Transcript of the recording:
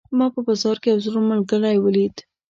ما په بازار کې یو زوړ ملګری ولید